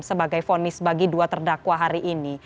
sebagai fonis bagi dua terdakwa hari ini